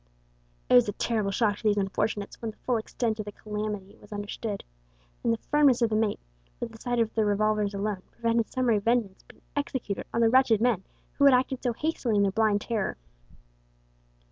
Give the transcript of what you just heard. It was a terrible shock to these unfortunates when the full extent of the calamity was understood, and the firmness of the mate, with a sight of the revolvers alone prevented summary vengeance being executed on the wretched men who had acted so hastily in their blind terror.